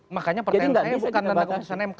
makanya pertanyaan saya bukan tanda keputusan mk